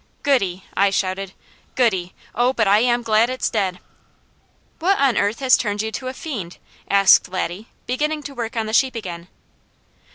"Goody!" I shouted. "Goody! Oh but I am glad it's dead!" "What on earth has turned you to a fiend?" asked Laddie, beginning work on the sheep again.